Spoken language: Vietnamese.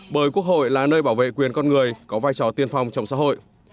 bởi quốc hội là nơi bảo vệ quyền con người có vai trò tiên phong trong xã hội